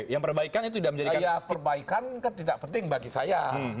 ya perbaikan kan tidak penting bagi saya